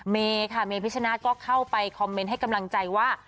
เมพิชชนาธิ์ก็เข้าไปคอมเมนต์ให้กำลังใจว่า